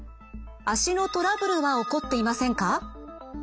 足のトラブルは起こっていませんか？